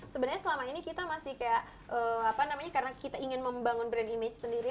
sebenarnya selama ini kita masih kayak apa namanya karena kita ingin membangun brand image sendiri